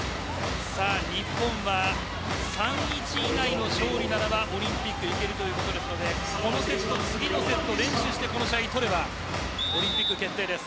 日本は３−１以内の勝利であればオリンピックにいけるということなので次のセット連取してこの試合取ればオリンピック決定です。